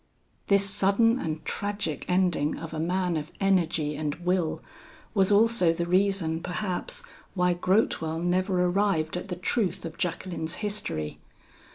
"This sudden and tragic ending of a man of energy and will, was also the reason, perhaps, why Grotewell never arrived at the truth of Jacqueline's history.